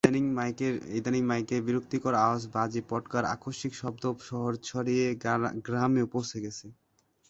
ইদানিং মাইকের বিরক্তিকর আওয়াজ, বাজি-পটকার আকস্মিক শব্দ শহর ছাড়িয়ে গ্রামেও পৌছে গেছে।